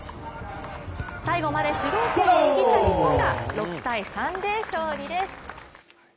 最後まで主導権を握った日本が６−３で勝利です。